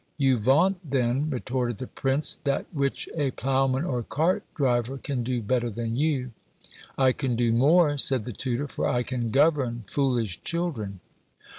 "You vaunt, then," retorted the prince, "that which a ploughman or cart driver can do better than you." "I can do more," said the tutor, "for I can govern foolish children."